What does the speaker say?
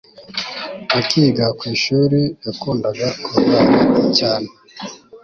akiga kwishuri yakundaga kurwara cyane